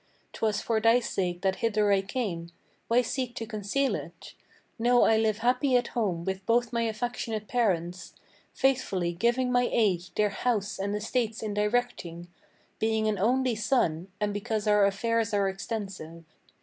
'Twas for thy sake that hither I came; why seek to conceal it? Know I live happy at home with both my affectionate parents, Faithfully giving my aid their house and estates in directing, Being an only son, and because our affairs are extensive.